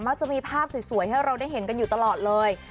จะมีภาพสวยให้เราได้เห็นกันอยู่ตลอดเลย